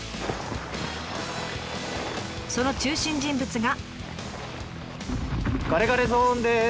その中心人物が。